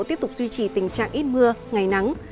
tiếp tục duy trì tình trạng ít mưa ngày nắng